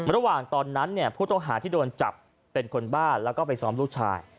ระหว่างตอนนั้นผู้ตกหาที่โดนจับเป็นคนบ้านแล้วก็ไปซ้อมลูกชาย